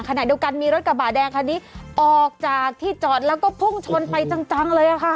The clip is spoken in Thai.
ขณะเดียวกันมีรถกระบะแดงคันนี้ออกจากที่จอดแล้วก็พุ่งชนไปจังเลยค่ะ